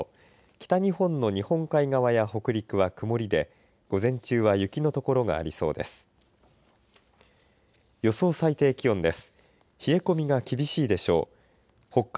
北日本の日本海側や北陸は曇りで午前中は雪の所がありそうです。